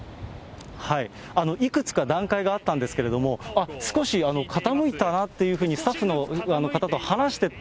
いくつか段階があったんですけれども、少し傾いたなっていうふうに、スタッフの方と話してた